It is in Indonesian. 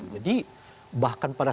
jadi bahkan pada